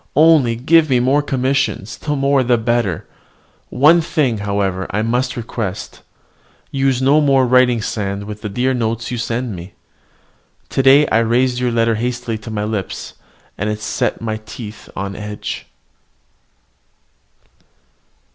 Only give me more commissions, the more the better. One thing, however, I must request: use no more writing sand with the dear notes you send me. Today I raised your letter hastily to my lips, and it set my teeth on edge.